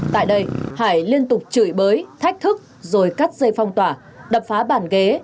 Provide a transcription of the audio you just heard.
tại đây hải liên tục chửi bới thách thức rồi cắt dây phong tỏa đập phá bàn ghế